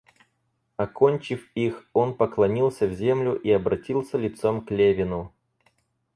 Окончив их, он поклонился в землю и обратился лицом к Левину.